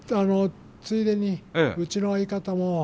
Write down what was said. ついでにうちの相方も。